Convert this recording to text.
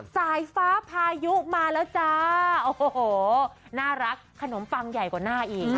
สายฟ้าพายุมาแล้วจ้าโอ้โหน่ารักขนมปังใหญ่กว่าหน้าอีก